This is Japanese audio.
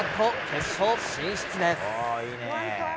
決勝進出です。